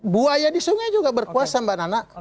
buaya di sungai juga berkuasa mbak nana